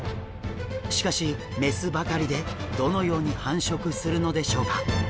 しかし雌ばかりでどのように繁殖するのでしょうか？